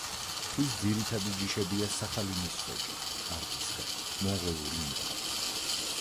ხის ძირითადი ჯიშებია სახალინის სოჭი, არყის ხე, მონღოლური მუხა.